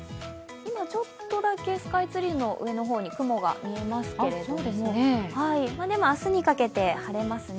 今ちょっとだけスカイツリーの上の方に雲が見えますけれども、でも明日にかけて晴れますね。